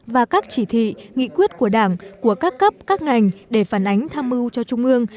và các chỉ thị nghị quyết của đảng của các cấp các ngành để phản ánh tham mưu cho trung ương